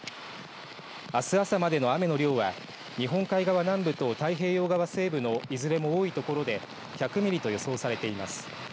あす朝までの雨の量は日本海側南部と太平洋側西部のいずれも多い所で１００ミリと予想されています。